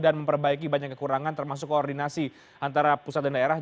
dan memperbaiki banyak kekurangan termasuk koordinasi antara pusat dan daerah